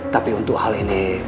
tapi untuk hal ini